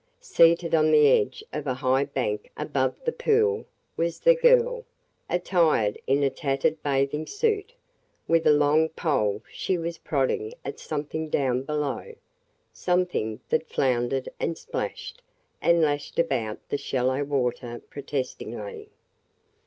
Seated on the edge of a high bank above the pool was the girl, attired in a tattered bathing suit. With a long pole she was prodding at something down below – something that floundered and splashed and lashed about the shallow water protestingly.